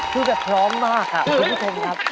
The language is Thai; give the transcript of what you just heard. พี่แต่พร้อมมากครับคุณผู้ชมครับ